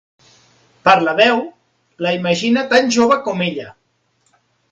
Per la veu, la imagina tan jove com ella.